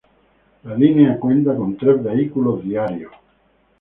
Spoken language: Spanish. La línea cuenta con tres vehículos todos los días.